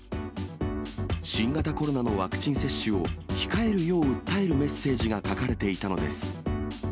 新型コロナのワクチン接種を控えるよう訴えるメッセージが書かれていたのです。